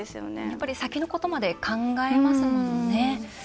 やっぱり先のことまで考えますものね。